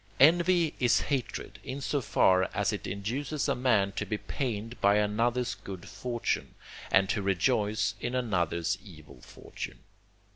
Envy is hatred, in so far as it induces a man to be pained by another's good fortune, and to rejoice in another's evil fortune.